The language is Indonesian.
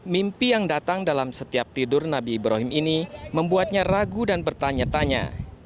mimpi yang datang dalam setiap tidur nabi ibrahim ini membuatnya ragu dan bertanya tanya